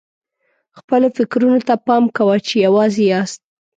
خپلو فکرونو ته پام کوه چې یوازې یاست.